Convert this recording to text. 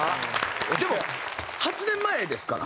でも８年前ですから。